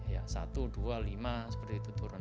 ya satu dua lima seperti itu turun